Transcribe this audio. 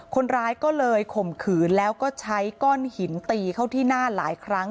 คนร้ายก็เลยข่มขืนแล้วก็ใช้ก้อนหินตีเข้าที่หน้าหลายครั้ง